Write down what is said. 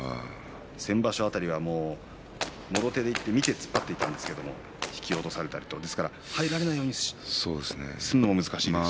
先場所辺りはもろ手でいってみて突っ張っていったんですけど引き落とされたりと入られないようにするのも難しいですし。